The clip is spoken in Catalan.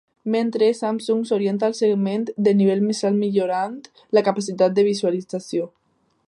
Mentre, Samsung s'orienta al segment de nivell més alt millorant la capacitat de visualització.